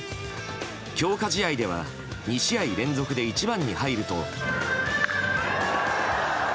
強化試合では２試合連続で１番に入ると。